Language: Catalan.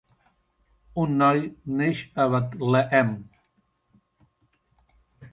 Un noi neix a Bethlehem.